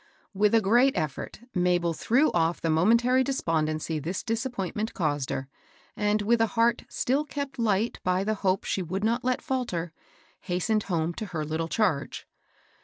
With a great effort, Mabel threw off the momentary despondency this disappoint ment caused her, and, with a heart still kept light by the hope she would not let fiJter, hastened home to her little charge.